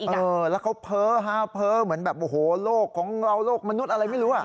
เออแล้วเขาเพ้อฮะเพ้อเหมือนแบบโอ้โหโลกของเราโลกมนุษย์อะไรไม่รู้อ่ะ